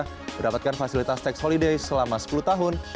hendru dapatkan fasilitas tax holiday selama sepuluh tahun